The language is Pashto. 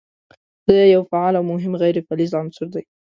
دا یو فعال او مهم غیر فلز عنصر دی.